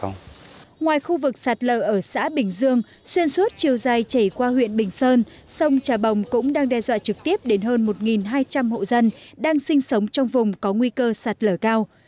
ngoài khu vực sạt lở ở xã bình dương xuyên suốt chiều dài chảy qua huyện bình sơn sông trà bồng cũng đang đe dọa trực tiếp đến hơn một hai trăm linh hộ dân đang sinh sống trong vùng có nguy cơ sạt lở cao